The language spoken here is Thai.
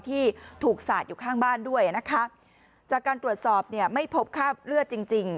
ที่ถูกสาดอยู่ข้างบ้านด้วยนะคะจากการตรวจสอบเนี่ยไม่พบคราบเลือดจริงจริง